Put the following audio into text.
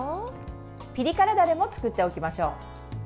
ピリ辛ダレも作っておきましょう。